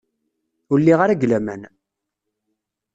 Ur lliɣ ara deg laman.